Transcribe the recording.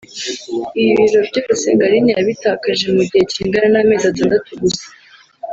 Ibi biro byose ngo Aline yabitakaje mu gihe kingana n’amezi atandatu gusa